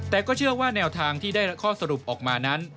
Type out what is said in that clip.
แต่ก็เชื่อว่าแนวทางที่ได้ข้อสรุปออกมานั้น